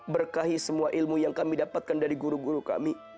berkahi semua ilmu yang kami dapatkan dari guru guru kami